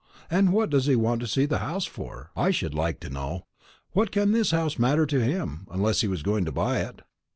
And what does he want to see the house for, I should like to know? What can this house matter to him, unless he was going to buy it?